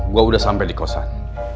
gue udah sampai di kosan